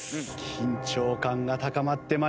緊張感が高まって参りました。